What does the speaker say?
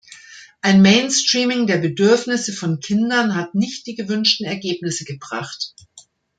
Ein Mainstreaming der Bedürfnisse von Kindern hat nicht die gewünschten Ergebnisse gebracht.